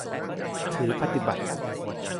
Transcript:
ถือปฏิบัติ